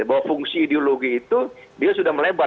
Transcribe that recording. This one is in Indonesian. bahwa fungsi ideologi itu dia sudah melebar